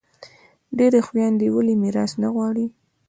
ډیری خویندي ولي میراث نه غواړي؟